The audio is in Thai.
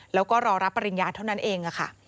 แล้วก็รอรับปริญญาเท่านั้นเองค่ะ